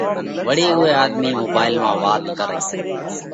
وۯي اُوئہ آۮمِي موبائيل مانه وات ڪرئِي